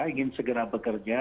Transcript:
ingin segera bekerja